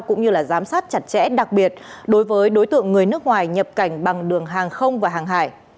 cũng như giám sát chặt chẽ đặc biệt đối với đối tượng người nước ngoài nhập cảnh bằng đường hàng không và hàng hải